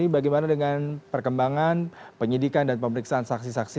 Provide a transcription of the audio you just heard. bagaimana dengan perkembangan penyidikan dan pemeriksaan saksi saksi